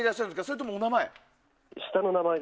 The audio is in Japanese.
それともお名前？